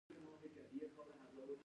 ګاز د افغانستان د کلتوري میراث برخه ده.